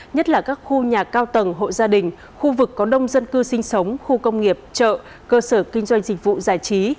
nhất là các khu nhà cao tầng hộ gia đình khu vực có đông dân cư sinh sống khu công nghiệp chợ cơ sở kinh doanh dịch vụ giải trí